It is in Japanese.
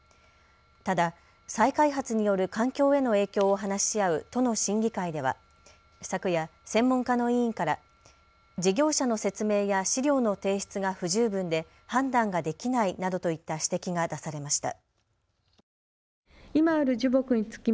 ただ再開発による環境への影響を話し合う都の審議会では昨夜、専門家の委員から事業者の説明や資料の提出が不十分で判断ができないなどといった指摘が出されました。